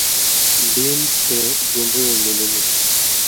ڈیمب تے ڈِیۡمبُوۡیُوں ملی ملی